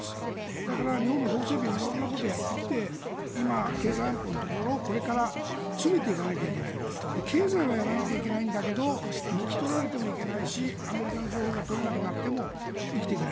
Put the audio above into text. だから日本も法整備色んなことをやってきて経済安保のところをこれから詰めていかないといけない経済はやらなきゃいけないんだけど抜き取られてもいけないしアメリカの情報が取れなくなっても生きていけない。